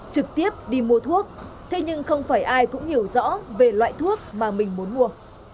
trực tiếp đi mua thuốc thế nhưng không phải ai cũng hiểu rõ về loại thuốc mà mình muốn mua